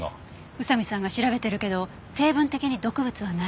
宇佐見さんが調べてるけど成分的に毒物はない。